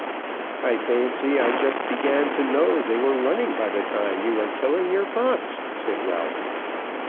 "I fancy I just began to know they were running by the time you were killing your fox," said Ralph.